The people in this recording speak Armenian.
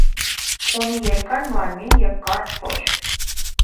Ունի երկար մարմին և կարճ պոչ։